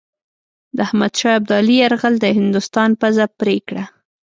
د احمدشاه ابدالي یرغل د هندوستان پزه پرې کړه.